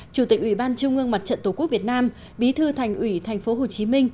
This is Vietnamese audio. chủ tịch ủy ban trung ương mặt trận tổ quốc việt nam bí thư thành ủy tp hcm